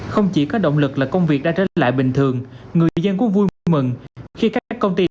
không chỉ có động lực là công việc đã trở lại bình thường người dân cũng vui vui mừng khi các f công ty